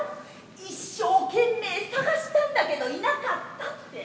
一生懸命捜したんだけどいなかったって。